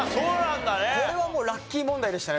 これはラッキー問題でしたね